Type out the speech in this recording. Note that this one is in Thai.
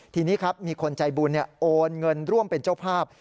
ทีนี้ครับมีคนใจบุญโอนเงินร่วมเป็นเจ้าภาพ